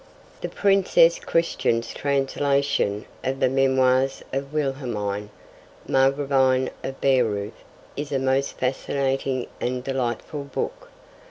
The Princess Christian's translation of the Memoirs of Wilhelmine, Margravine of Baireuth, is a most fascinating and delightful book.